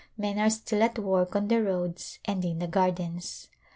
Men are still at work on the roads and in the gardens.